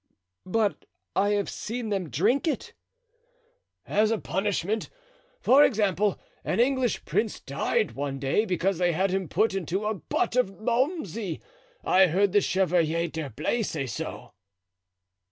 "But I have seen them drink it." "As a punishment. For example, an English prince died one day because they had put him into a butt of Malmsey. I heard the Chevalier d'Herblay say so."